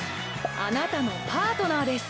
あなたのパートナーです。